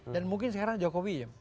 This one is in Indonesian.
dan mungkin sekarang jokowi ya